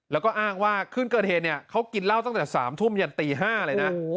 แล้วก็อ้างว่าคืนเกิดเหตุเนี่ยเขากินเหล้าตั้งแต่๓ทุ่มยันตี๕เลยนะ